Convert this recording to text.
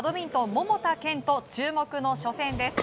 桃田賢斗、注目の初戦です。